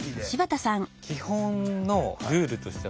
基本のルールとしては。